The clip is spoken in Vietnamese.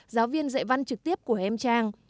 giáo viên dạy văn trực tiếp của em trang